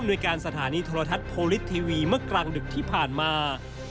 โดยการสถานีโทรทัศน์โพลิสทีวีเมื่อกลางดึกที่ผ่านมา